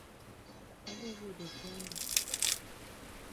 Adwa bedo kenda